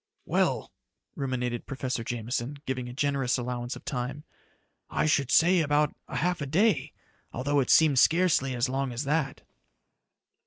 "Well," ruminated Professor Jameson, giving a generous allowance of time. "I should say about a half a day, although it seemed scarcely as long as that."